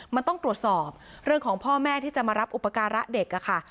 มันต้องตรวจสอบเรื่องของพ่อแม่ที่จะมารับอุปการะเด็กค่ะ